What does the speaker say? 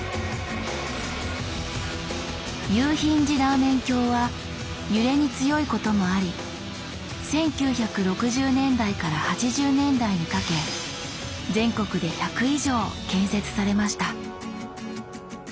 「有ヒンジラーメン橋」は揺れに強いこともあり１９６０年代から８０年代にかけ全国で１００以上建設されました。